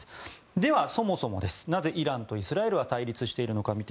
では、そもそもイランとイスラエルが対立しているのか。